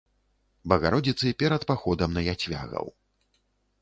Багародзіцы перад паходам на яцвягаў.